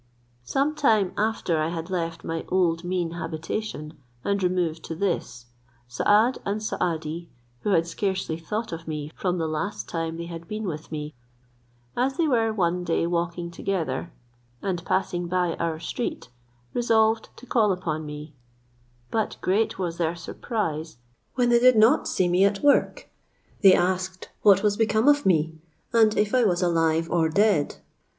Some time after I had left my old mean habitation, and removed to this, Saad and Saadi, who had scarcely thought of me from the last time they had been with me, as they were one day walking together, and passing by our street, resolved to call upon me: but great was their surprise when they did not see me at work. They asked what was become of me, and if I was alive or dead.